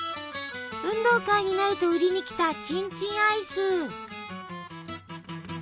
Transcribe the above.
運動会になると売りに来た「チンチンアイス」。